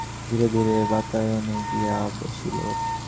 ধীরে ধীরে বাতায়নে গিয়া বসিল।